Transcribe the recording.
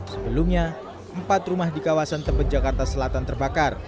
sebelumnya empat rumah di kawasan tebet jakarta selatan terbakar